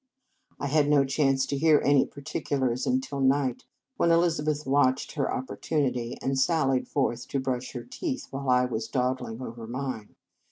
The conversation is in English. I had no chance to hear any par ticulars until night, when Elizabeth watched her opportunity, and sallied forth to brush her teeth while I was dawdling over mine.